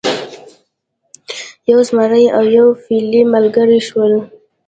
یو زمری او یو فیلی ملګري شول.